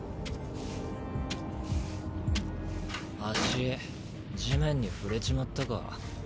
脚地面に触れちまったか。